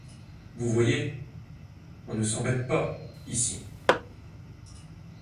Vous voyez, on ne s'embête pas, ici.